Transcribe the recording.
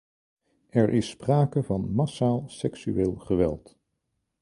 Er is sprake van massaal seksueel geweld.